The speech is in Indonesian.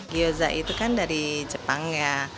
gyoza itu kan dari jepang ya